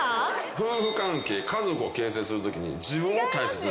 夫婦関係家族を形成するときに自分を大切にするって言ってます。